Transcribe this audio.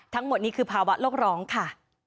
ทั้งหมดนี้คือภาวะโลกร้องค่ะ